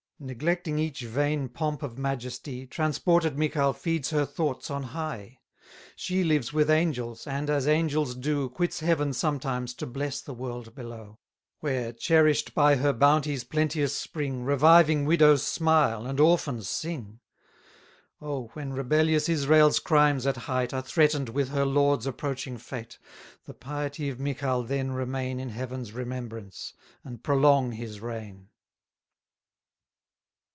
Neglecting each vain pomp of majesty, Transported Michal feeds her thoughts on high. 60 She lives with angels, and, as angels do, Quits heaven sometimes to bless the world below; Where, cherish'd by her bounties' plenteous spring, Reviving widows smile, and orphans sing. Oh! when rebellious Israel's crimes at height, Are threaten'd with her Lord's approaching fate, The piety of Michal then remain In Heaven's remembrance, and prolong his reign!